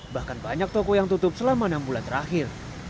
bahkan banyak toko yang tutup selama enam bulan terakhir